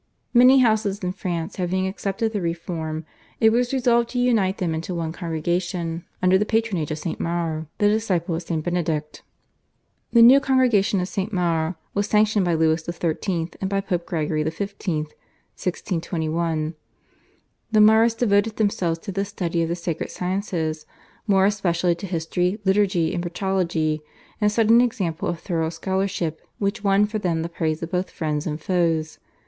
Many houses in France having accepted the reform, it was resolved to unite them into one congregation under the patronage of St. Maur, the disciple of St. Benedict. The new congregation of St. Maur was sanctioned by Louis XIII. and by Pope Gregory XV. (1621). The Maurists devoted themselves to the study of the sacred sciences, more especially to history, liturgy and patrology, and set an example of thorough scholarship which won for them the praise of both friends and foes.